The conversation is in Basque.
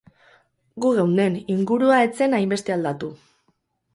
Gu geunden, ingurua ez zen hainbeste aldatu.